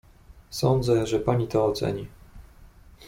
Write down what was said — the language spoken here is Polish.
"Sądzę, że pani to oceni."